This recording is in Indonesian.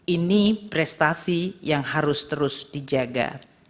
ini prestasi yang harus terus dijaga